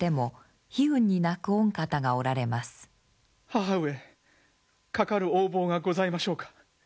母上かかる横暴がございましょうか。